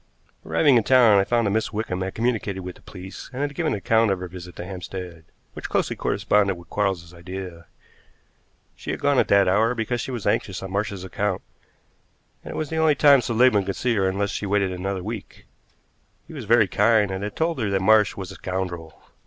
Arriving in town I found that Miss Wickham had communicated with the police and had given an account of her visit to Hampstead, which closely corresponded with Quarles's idea. She had gone at that hour because she was anxious on Marsh's account, and it was the only time Seligmann could see her unless she waited another week. He was very kind, and had told her that Marsh was a scoundrel.